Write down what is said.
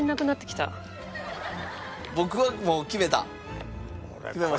僕はもう決めた。